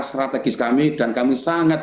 strategis kami dan kami sangat